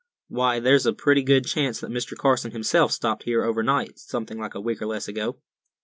Why, there's a pretty good chance that Mr. Carson himself stopped here over night, something like a week or less ago."